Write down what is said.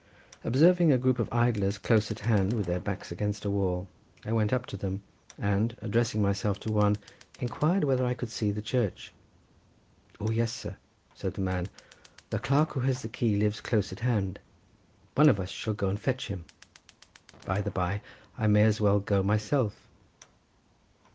Observing a group of idlers close at hand with their backs against a wall, I went up to them and addressing myself to one, inquired whether I could see the church. "O yes, sir," said the man; "the clerk who has the key lives close at hand; one of us shall go and fetch him; by the bye, I may as well go myself."